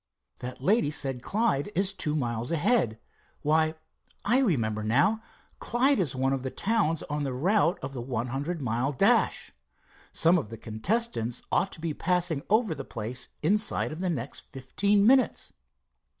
"That lady said Clyde is two miles ahead. Why, I remember now, Clyde is one of the towns on the route of the one hundred mile dash. Some of the contestants ought to be passing over the place inside of the next fifteen minutes."